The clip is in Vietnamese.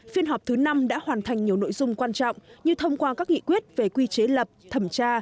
phiên họp thứ năm đã hoàn thành nhiều nội dung quan trọng như thông qua các nghị quyết về quy chế lập thẩm tra